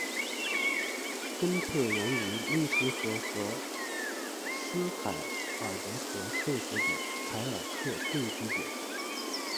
根特源于利斯河和斯海尔德河汇合的凯尔特定居点。